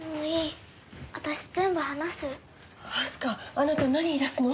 あなた何言い出すの？